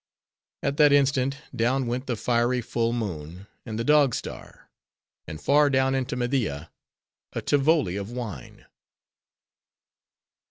At that instant, down went the fiery full moon, and the Dog Star; and far down into Media, a Tivoli of wine.